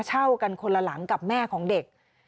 เช่ากันคนละหลังกับแม่ของเด็ก